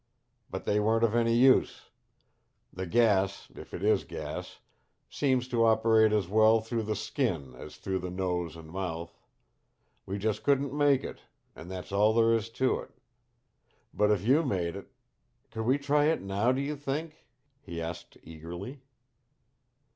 But they weren't of any use. The gas, if it is gas, seems to operate as well through the skin as through the nose and mouth. We just couldn't make it and that's all there is to it. But if you made it could we try it now, do you think?" he asked eagerly.